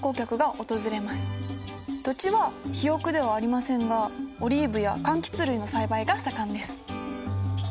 土地は肥沃ではありませんがオリーブやかんきつ類の栽培が盛んです。